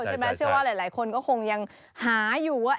เชื่อว่าหลายคนก็คงยังหาอยู่ว่า